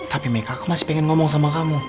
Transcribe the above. tapi make aku masih pengen ngomong sama kamu